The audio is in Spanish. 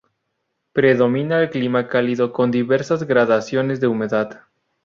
Predomina el clima cálido con diversas gradaciones de humedad.